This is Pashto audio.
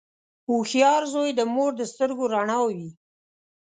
• هوښیار زوی د مور د سترګو رڼا وي.